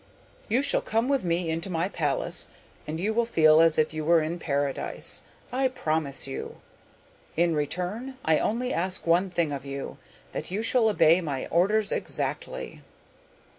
You shall come with me into my palace, and you will feel as if you were in Paradise, I promise you. In return, I only ask one thing of you, that you shall obey my orders exactly.